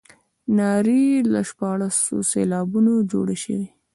نارې له شپاړسو سېلابونو جوړې شوې.